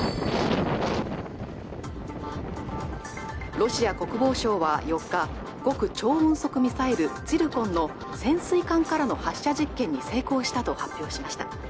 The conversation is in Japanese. ロシア国防省は４日極超音速ミサイルツィルコンの潜水艦からの発射実験に成功したと発表しました